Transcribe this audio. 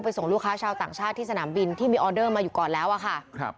ส่งลูกค้าชาวต่างชาติที่สนามบินที่มีออเดอร์มาอยู่ก่อนแล้วอะค่ะครับ